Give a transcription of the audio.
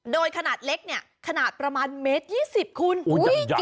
โดยขนาดเล็กเนี่ยขนาดประมาณ๑๒๐เข้า